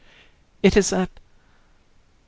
It is that ...